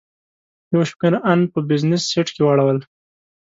یو شمېر ان په بزنس سیټ کې واړول.